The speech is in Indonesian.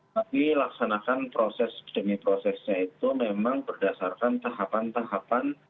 tapi laksanakan proses demi prosesnya itu memang berdasarkan tahapan tahapan